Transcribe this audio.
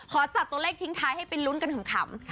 ขอจัดตัวเลขทิ้งท้ายให้เป็นรุนกันถึงขำ